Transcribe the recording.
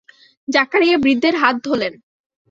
জাকারিয়া বৃদ্ধের হাত ধরলেন।